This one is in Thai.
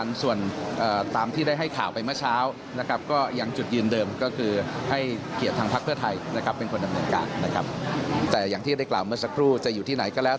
ไม่ได้กล่าวเมื่อสักครู่จะอยู่ที่ไหนก็แล้ว